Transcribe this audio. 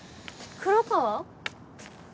黒川